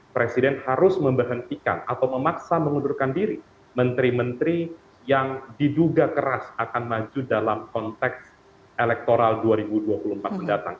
presiden harus memberhentikan atau memaksa mengundurkan diri menteri menteri yang diduga keras akan maju dalam konteks elektoral dua ribu dua puluh empat mendatang